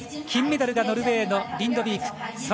金メダルがノルウェーのリンドビーク。